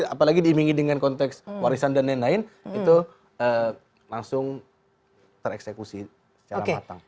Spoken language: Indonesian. apalagi diimingi dengan konteks warisan dan lain lain itu langsung tereksekusi secara matang